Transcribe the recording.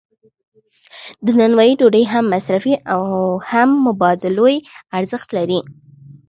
د نانوایی ډوډۍ هم مصرفي او هم مبادلوي ارزښت لري.